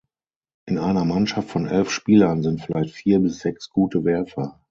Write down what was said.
In einer Mannschaft von elf Spielern sind vielleicht vier bis sechs gute Werfer.